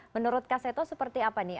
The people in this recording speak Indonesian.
menurut kak seto seperti apa nih